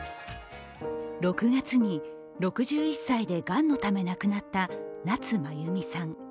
６月に６１歳でがんのため亡くなった夏まゆみさん。